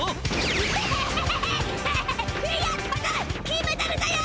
金メダルだよ！